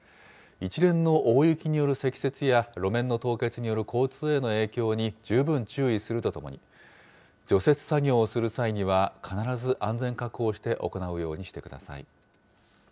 一連の大雪による積雪や、路面の凍結による交通への影響に十分注意するとともに、除雪作業をする際には、必ず安全確保をして行うようにしてください。